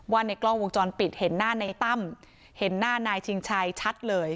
ในกล้องวงจรปิดเห็นหน้าในตั้มเห็นหน้านายชิงชัยชัดเลย